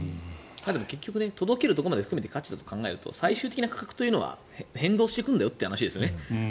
結局届けるところまでが価値だと考えると最終的な価格というのは変動していくんだよという話ですよね。